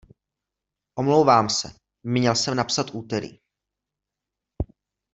Omlouvám se, měl jsem napsat úterý.